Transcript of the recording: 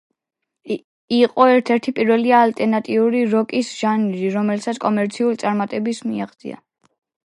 იყო ერთ-ერთი პირველი ალტერნატიული როკის ჟანრში, რომელმაც კომერციულ წარმატებას მიაღწია.